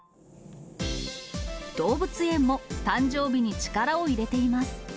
動物園も誕生日に力を入れています。